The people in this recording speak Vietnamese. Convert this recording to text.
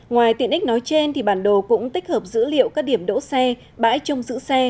ngoài tiện ích nói trên bản đồ cũng tích hợp dữ liệu các điểm đỗ xe bãi trông giữ xe